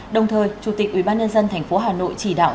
đồng thời chủ tịch ubnd tp hà nội chỉ đạo